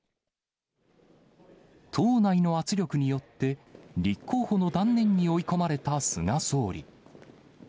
党内の圧力によって、立候補の断念に追い込まれた菅総理。